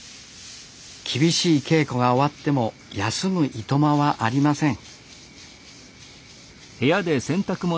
厳しい稽古が終わっても休むいとまはありません